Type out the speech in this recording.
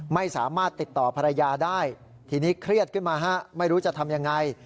ไม่สามารถติดต่อภรรยาได้ทีนี้เครียดขึ้นมาฮะไม่รู้จะทำยังไง